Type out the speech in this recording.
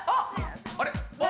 あれ？